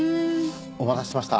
お待たせしました。